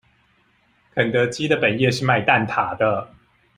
肯德基的本業是賣蛋塔的